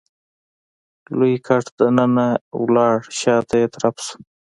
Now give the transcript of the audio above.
لوی ګټ دننه لاړ شاته يې ترپ شو.